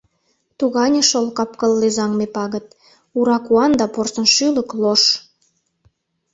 Тугане шол кап-кыл лӧзаҥме пагыт: Ура куан да порсын шӱлык — лош.